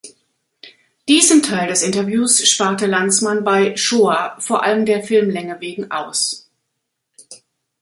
Diesen Teil des Interviews sparte Lanzmann bei "Shoah" vor allem der Filmlänge wegen aus.